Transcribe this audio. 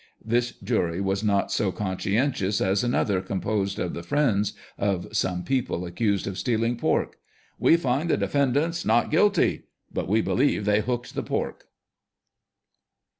This jury was not so conscientious as another composed of the friends of some people accused of stealing pork: " We find the defendants Not Guilty ; but we believe they hooked the pork."